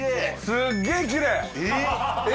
すっげえきれいええ？